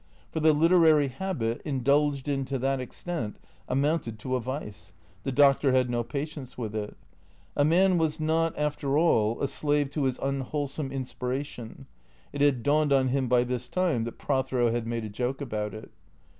For the literary habit, indulged in to that extent, amounted to a vice. The Doctor had no patience with it. A man was not, after all, a slave to his unwholesome inspiration (it had dawned on him by this time that Prothero had made a joke about it).